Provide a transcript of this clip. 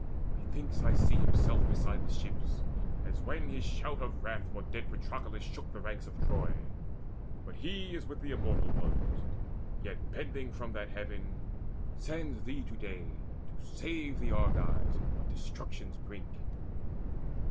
Methinks I see Himself beside the ships, as when his shout Of wrath for dead Patroclus shook the ranks Of Troy. But he is with the Immortal Ones, Yet, bending from that heaven, sends thee to day To save the Argives on destruction's brink."